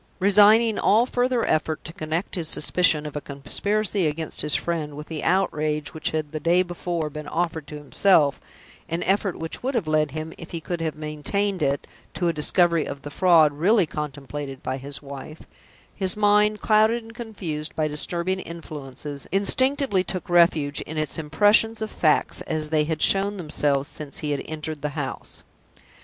Resigning all further effort to connect his suspicion of a conspiracy against his friend with the outrage which had the day before been offered to himself an effort which would have led him, if he could have maintained it, to a discovery of the fraud really contemplated by his wife his mind, clouded and confused by disturbing influences, instinctively took refuge in its impressions of facts as they had shown themselves since he had entered the house.